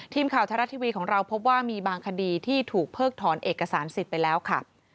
ทีมข่าวไทยรัฐทีวีของเราพบว่ามีบางคดีที่ถูกเพิกถอนเอกสารสิทธิ์ไปแล้วค่ะ